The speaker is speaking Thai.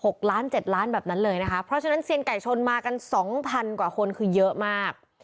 ล้านเจ็ดล้านแบบนั้นเลยนะคะเพราะฉะนั้นเซียนไก่ชนมากันสองพันกว่าคนคือเยอะมาก